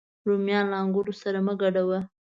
رومیان له انګورو سره مه ګډوه